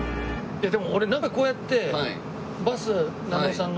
でも俺なんかこうやって。